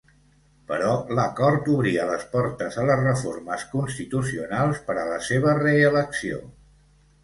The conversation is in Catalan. Però, l'acord obria les portes a les reformes constitucionals per a la seva re-elecció.